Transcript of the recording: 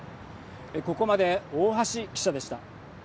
ここまで大橋記者でした。